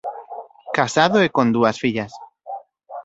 Casado e con dúas fillas.